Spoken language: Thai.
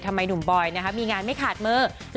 ทำไมหนุ่มบอยมีงานไม่ขาดมือ